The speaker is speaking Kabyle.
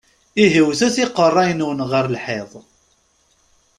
Ihi wwtet iqeṛṛa-nwen ɣer lḥiḍ!